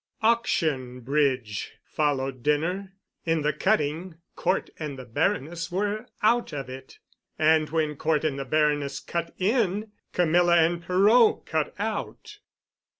"Auction" bridge followed dinner. In the cutting Cort and the Baroness were out of it, and when Cort and the Baroness cut in, Camilla and Perot cut out.